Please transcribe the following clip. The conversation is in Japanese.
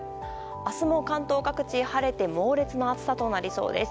明日も関東各地、晴れて猛烈な暑さとなりそうです。